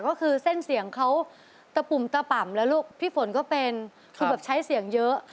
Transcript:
ก็คือเส้นเสียงเขาตะปุ่มตะป่ำแล้วลูกพี่ฝนก็เป็นคือแบบใช้เสียงเยอะ